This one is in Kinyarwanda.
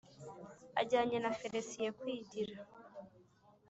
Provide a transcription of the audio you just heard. ajyanye na félicien kwigira,